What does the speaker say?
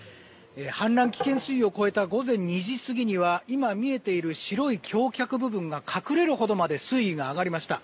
氾濫危険水位を超えた午後５時過ぎには今見えている白い橋脚部分が隠れるほどまで水位が上がりました。